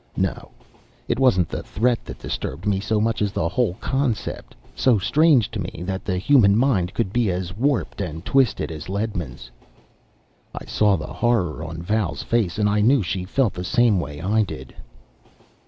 No, it wasn't the threat that disturbed me, so much as the whole concept, so strange to me, that the human mind could be as warped and twisted as Ledman's. I saw the horror on Val's face, and I knew she felt the same way I did.